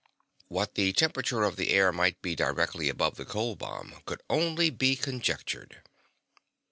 What the temperature of the air might be directly above the cold bomb could only be conjectured.